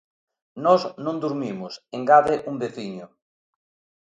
Nós non durmimos, engade un veciño.